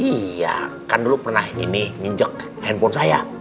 iya kan dulu pernah ini nginjak handphone saya